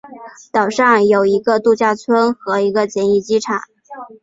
岛上有一个度假村和一个简易机场。